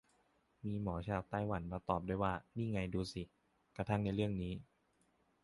มีหมอชาวไต้หวันมาตอบด้วยว่า นี่ไงดูสิ กระทั่งในเรื่องนี้